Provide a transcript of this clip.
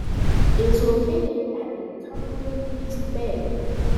It is located at in Cumberland East Bay.